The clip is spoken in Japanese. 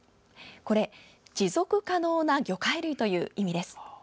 これは持続可能な魚介類という意味です。